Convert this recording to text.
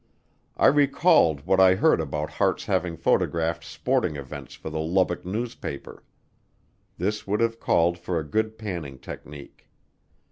I recalled what I heard about Hart's having photographed sporting events for the Lubbock newspaper. This would have called for a good panning technique.